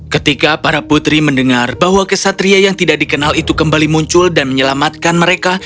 ketika para putri mendengar bahwa kesatria yang tidak dikenal itu kembali muncul dan menyelamatkan mereka